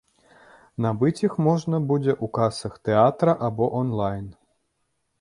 Набыць іх можна будзе ў касах тэатра або анлайн.